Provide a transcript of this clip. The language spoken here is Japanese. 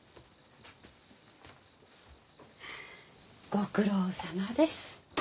ご苦労さまです。